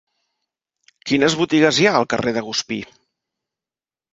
Quines botigues hi ha al carrer de Guspí?